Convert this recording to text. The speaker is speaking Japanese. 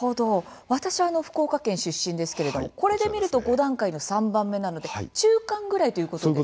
私は福岡県出身ですけれども、これで見ると５段階の３番目なので中間ぐらいということですか？